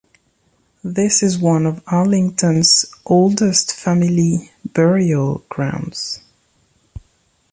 This is one of Arlington's oldest family burial grounds.